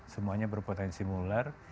semuanya berpotensi mular